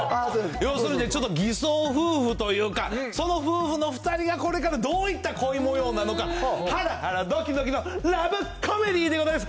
要するに、ちょっと偽装夫婦というか、その夫婦の２人がこれからどういった恋もようなのか、はらはらどきどきのラブコメディーでございます。